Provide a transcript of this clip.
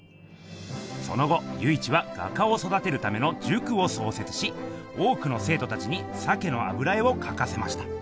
その後由一は画家をそだてるための塾を創設し多くの生とたちに鮭の油絵をかかせました。